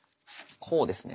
こうですね。